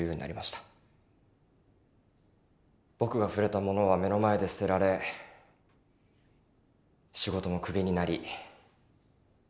僕が触れたものは目の前で捨てられ仕事もクビになり。